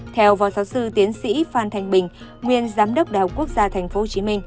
theo phó giáo sư tiến sĩ phan thanh bình nguyên giám đốc đại học quốc gia tp hcm